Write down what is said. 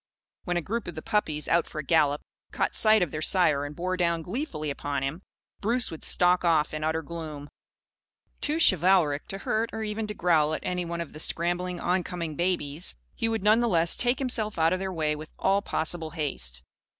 When a group of the puppies, out for a gallop, caught sight of their sire and bore down gleefully upon him, Bruce would stalk off in utter gloom. Too chivalric to hurt or even to growl at any of the scrambling oncoming babies, he would none the less take himself out of their way with all possible haste.